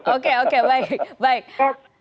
oke oke baik baik